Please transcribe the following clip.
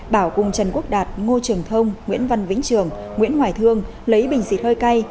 bảo cùng trần quốc đạt ngô trường thông nguyễn văn vĩnh trường nguyễn hoài thương lấy bình xịt hơi cay